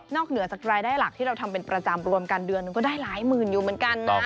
เหนือจากรายได้หลักที่เราทำเป็นประจำรวมกันเดือนหนึ่งก็ได้หลายหมื่นอยู่เหมือนกันนะ